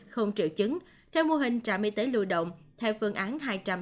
không triệu chứng theo mô hình trạm y tế lưu động theo phương án hai trăm sáu mươi ba